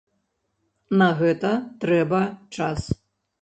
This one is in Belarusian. На гэта трэба час.